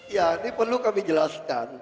ya ini perlu kami jelaskan